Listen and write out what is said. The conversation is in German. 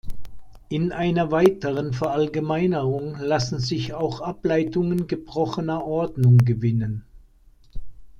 In einer weiteren Verallgemeinerung lassen sich auch Ableitungen gebrochener Ordnung gewinnen.